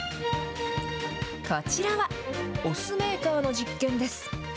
こちらは、お酢メーカーの実験です。